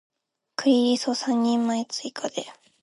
クリリソ三人前追加で